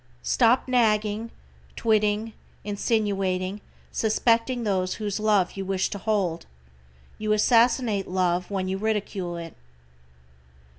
Stop nagging, twitting, insinuating, suspecting those whose love you wish to hold. You assassinate love when you ridicule it.